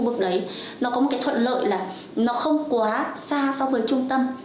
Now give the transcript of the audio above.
thì khu vực đấy nó có một cái thuận lợi là nó không quá xa so với trung tâm